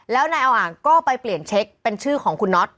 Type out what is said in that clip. แล้วนายอ่าวอ่างก็ไปเปลี่ยนเช็คเป็นชื่อของคุณน็อต